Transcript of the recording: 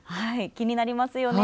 気になりますよね。